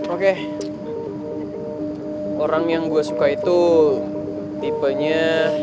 oke orang yang gue suka itu tipenya